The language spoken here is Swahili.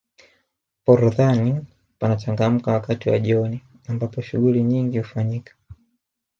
forodhani panachangamka wakati wa jioni ambapo shughuli nyingi hufanyika